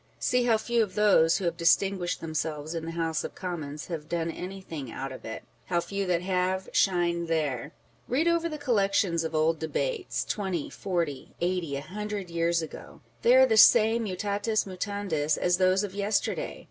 See how few of those who have distinguished themselves in the House of Commons have done anything out of it ; how few that have, shine there ! Read over the collections of old Debates, twenty, forty, eighty, a hundred years ago ; they are the same mutatis mutandis, as those of yesterday.